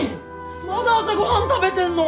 まだ朝ご飯食べてんの？